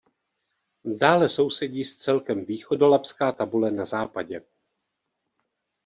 Dále sousedí s celkem Východolabská tabule na západě.